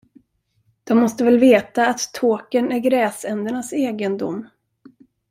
De måste väl veta, att Tåkern är gräsändernas egendom.